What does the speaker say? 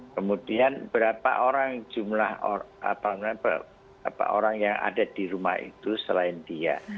kemudian berapa orang jumlah orang yang ada di rumah itu selain dia